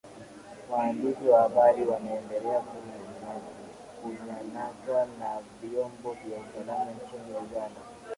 Waandishi wa habari wanaendelea kunyanaswa na vyombo vya usalama nchini Uganda